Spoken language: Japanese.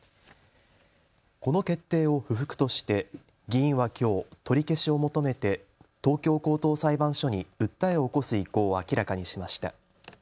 この決定を不服として議員はきょう取り消しを求めて東京高等裁判所に訴えを起こす意向を明らかにしました。